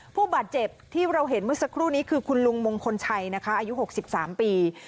ผู้บาดเจ็บที่เราเห็นเมื่อสักครู่นี้คือคุณลุงมงคลชัยนะคะอายุ๖๓ปี